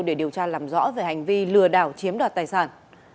để điều tra làm rõ về hành vi lừa đảo chiếm đoạt tài sản